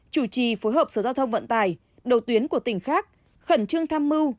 chủ trì phối hợp sở giao thông vận tải đầu tuyến của tỉnh khác khẩn trương tham mưu